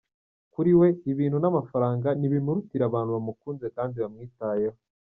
Kuri we, ibintu n’amafaranga ntibimurutira abantu bamukunze kandi bamwitayeho.